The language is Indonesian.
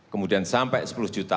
kemudian sampai sepuluh juta